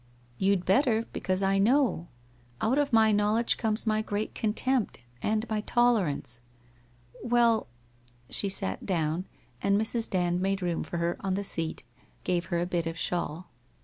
1 You'd better, because I know. Out of my knowledge comes my great contempt, and my tolerance. Well ' She sat down, and Mrs. Dand made room for her on the seat, gave her a bit of shawl.